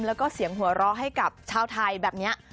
แล้วก็เสียงหัวเราะให้กับชาวไทยแบบนี้